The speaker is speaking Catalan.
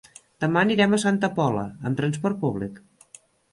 Demà anirem a Santa Pola amb transport públic.